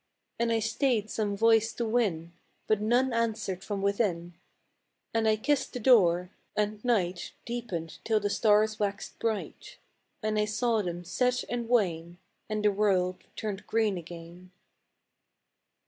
And I stayed some voice to win, But none answered from within; And I kissed the door — and night Deepened till the stars waxed bright; And I saw them set and wane, And the world turn green again.